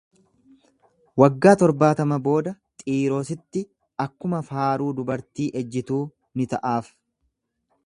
Waggaa torbaatama booda Xiirositti akkuma faaruu dubartii ejjituu ni ta'aaf.